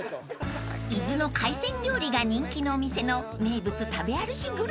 ［伊豆の海鮮料理が人気のお店の名物食べ歩きグルメ］